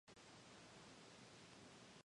The south-east fifth of the parish is woodland.